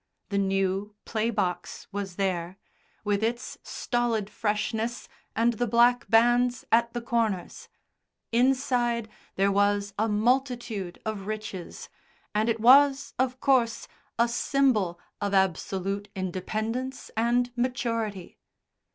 The new play box was there, with its stolid freshness and the black bands at the corners; inside, there was a multitude of riches, and it was, of course, a symbol of absolute independence and maturity.